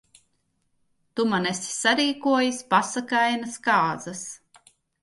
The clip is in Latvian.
Tu man esi sarīkojis pasakainas kāzas.